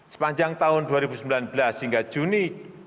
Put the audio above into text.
sepanjang tahun dua ribu sembilan belas hingga juni dua ribu dua puluh